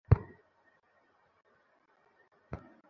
এগুলোই আমার ব্যবহৃত জিনিসপত্র।